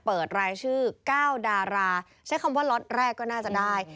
รายชื่อ๙ดาราใช้คำว่าล็อตแรกก็น่าจะได้